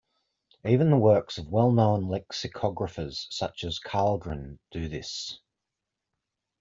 Even the works of well-known lexicographers such as Karlgren do this.